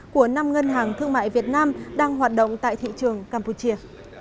của năm ngân hàng thương mại việt nam đang hoạt động tại thị trường campuchia